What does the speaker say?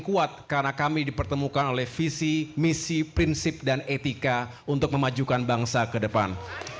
karena kami dipertemukan oleh visi misi prinsip dan etika untuk memajukan bangsa ke depan